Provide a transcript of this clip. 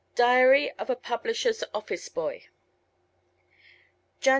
DIARY OF A PUBLISHER'S OFFICE BOY Jan.